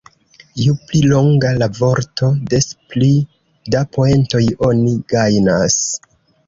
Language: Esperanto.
Ju pli longa la vorto, des pli da poentoj oni gajnas.